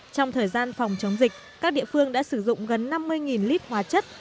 trong thời gian phòng chống dịch các địa phương đã sử dụng gần năm mươi lít hóa chất